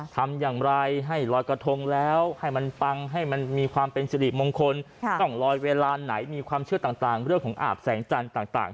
ทำอย่างไรให้ลอยกระทงแล้วให้มันปังให้มันมีความเป็นสิริมงคลต้องลอยเวลาไหนมีความเชื่อต่างเรื่องของอาบแสงจันทร์ต่าง